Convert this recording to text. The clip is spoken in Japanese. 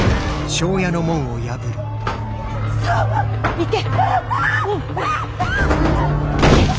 行け。